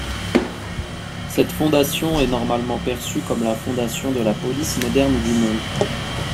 Cette fondation est normalement perçue comme la fondation de la police moderne du monde.